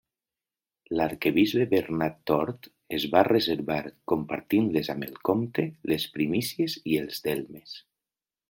L'arquebisbe Bernat Tort es va reservar, compartint-les amb el comte, les primícies i els delmes.